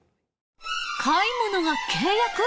買い物が契約？